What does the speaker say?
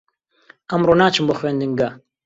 ئەمڕۆ ناچم بۆ خوێندنگە.